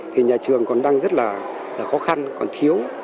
thì nhà trường còn đang rất là khó khăn còn thiếu